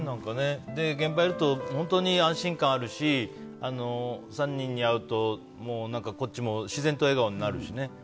現場にいると本当に安心感あるし３人に会うと、こっちも自然と笑顔になるしね。